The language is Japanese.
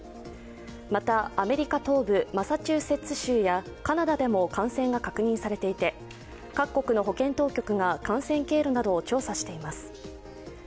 また、アメリカ東部マサチューセッツ州やカナダでも感染が確認されていて、各国の保健当局が感染経路などを調査しています。